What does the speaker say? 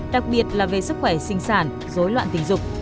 đặc biệt là về sức khỏe sinh sản dối loạn tình dục